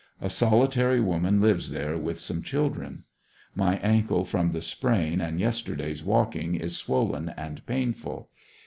A solitary woman lives there with some children. My ankle from the sprain and yesterday's walking is swollen and painful.